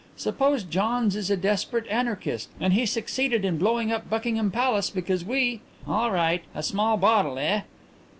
Suppose Johns is a desperate anarchist and he succeeded in blowing up Buckingham Palace because we " "All right. A small bottle, eh?"